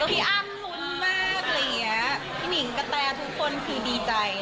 พี่อังรุ้นมากอะไรอย่างเงี้ยพี่หนิ่งกะแทร่ทุกคนคือดีใจ